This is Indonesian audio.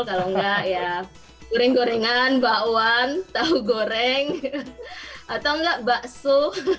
kalau enggak ya goreng gorengan bakwan tahu goreng atau enggak bakso